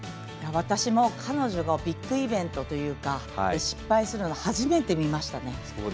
私も彼女のビッグイベントというか失敗するところを初めて見ましたね。